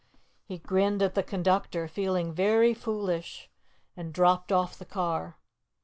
He grinned at the conductor, feeling very foolish, and dropped off the car.